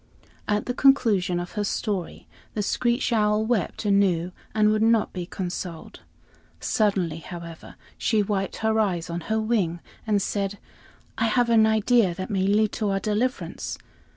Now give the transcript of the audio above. At the conclusion of her story, the screech owl wept anew and would not be consoled. Suddenly, however, she wiped her eyes on her wing and said: "I have an idea that may lead to our deliverance.